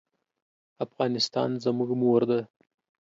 افغانستان زموږ مور ده